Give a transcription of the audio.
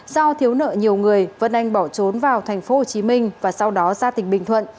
do thiếu nợ nhiều người vân anh bỏ trốn vào thành phố hồ chí minh và sau đó ra tỉnh bình thuận